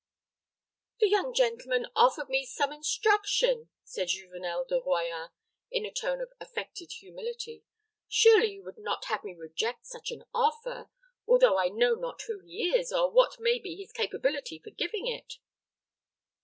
"The young gentleman offered me some instruction," said Juvenel de Royans, in a tone of affected humility. "Surely you would not have me reject such an offer, although I know not who he is, or what may be his capability for giving it."